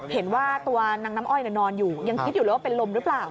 เห็นว่าตัวนางน้ำอ้อยนอนอยู่ยังคิดอยู่เลยว่าเป็นลมหรือเปล่า